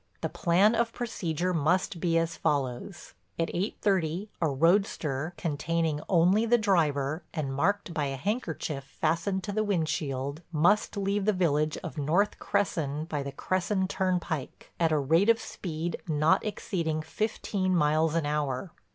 "The plan of procedure must be as follows: At eight thirty a roadster, containing only the driver and marked by a handkerchief fastened to the windshield, must leave the village of North Cresson by the Cresson turnpike, at a rate of speed not exceeding fifteen miles an hour.